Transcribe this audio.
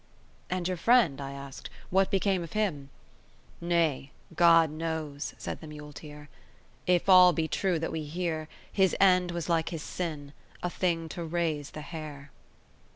"And your friend," I asked, "what became of him?" "Nay, God knows," said the muleteer. "If all be true that we hear, his end was like his sin, a thing to raise the hair."